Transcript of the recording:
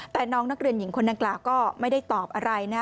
แต่น้องนักเรียนหญิงคนดังกล่าวก็ไม่ได้ตอบอะไรนะ